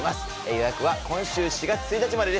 予約は今週４月１日までです。